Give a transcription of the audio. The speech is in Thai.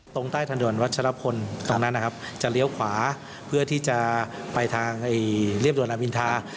ตรงใต้ถนนวัชรพลตรงนั้นนะครับจะเลี้ยวขวาเพื่อที่จะไปทางเรียบด่วนรามอินทา